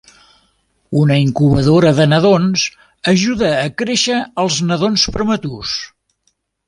Una incubadora de nadons ajuda a créixer els nadons prematurs.